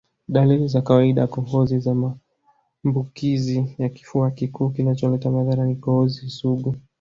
Dalili za kawaidaKohozi za maambukizi ya kifua kikuu kinacholeta madhara ni kikohozi sugu